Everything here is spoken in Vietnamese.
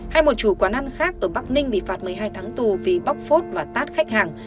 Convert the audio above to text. hay một chủ quán ăn khác ở bắc ninh bị phạt một mươi hai tháng tù vì bóc phốt và tát khách hàng